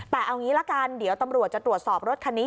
แต่เอางี้ละกันเดี๋ยวตำรวจจะตรวจสอบรถคันนี้